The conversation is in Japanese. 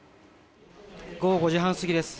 午後５時半過ぎです。